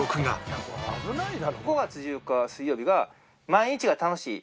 ５月１４日水曜日が「毎日が楽しい」。